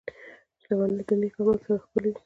• شتمني د نېک عمل سره ښکلې وي.